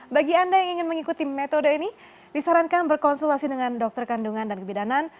bagi anda yang ingin mengikuti metode ini disarankan berkonsultasi dengan dokter kandungan dan kebidanan